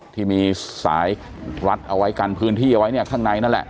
ที่มีสายรัดเอาไว้กันพื้นที่เอาไว้เนี่ยข้างในนั่นแหละ